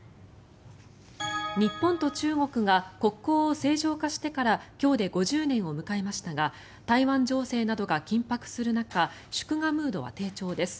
日本と中国が国交を正常化してから今日で５０年を迎えましたが台湾情勢などが緊迫する中祝賀ムードは低調です。